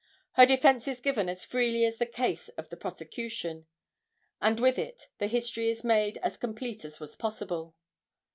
Her defense is given as freely as the case of the prosecution, and with it the history is made as complete as was possible.